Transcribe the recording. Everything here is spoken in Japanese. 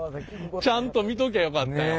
ちゃんと見ときゃよかったよ。